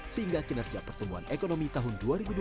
sehingga kinerja pertumbuhan ekonomi tahun dua ribu dua puluh